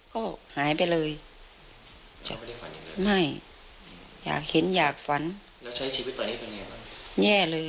ก็หายไปเลยไม่อยากเห็นอยากฝันแม่เนี่ยเลย